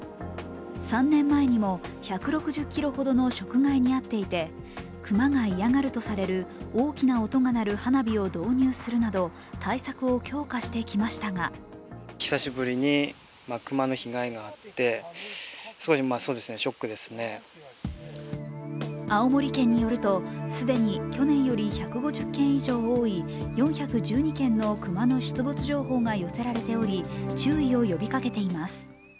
３年前にも１６０ｋｇほどの食害に遭っていて熊が嫌がるとされる大きな音が鳴る花火を導入するなど、対策を強化してきましたが青森県によると、既に去年より１５０件以上多い４１２件の熊の出没情報が寄せられており、注意を呼びかけています。